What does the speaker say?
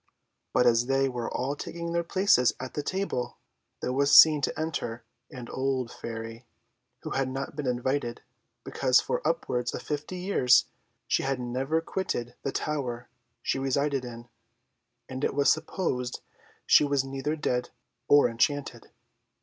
But as they were all taking their places at the table, there was seen to enter an old Fairy, who had not been invited, because for upwards of fifty years she had never quitted the tower she resided in, and it was supposed she was either dead or enchanted.